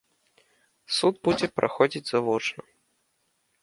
Суд будзе праходзіць завочна.